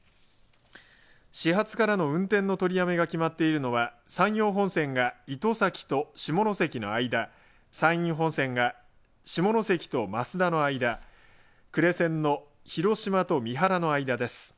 始発からの運転の取りやめが決まっているのは山陽本線が糸崎と下関の間山陰本線が下関と益田の間呉線の広島と三原の間です。